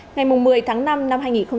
ngày một mươi tháng năm năm hai nghìn hai mươi